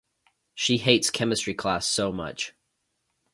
She hates chemistry class so much.